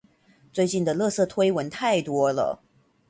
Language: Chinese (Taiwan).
最近的垃圾推文太多了